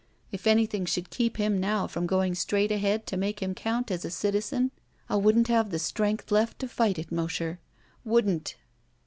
If anything should keep him now &om going straight ahead to make him count as a citizen, I wouldn't have the strength left to 'fight it, Mosher. Wouldn't!"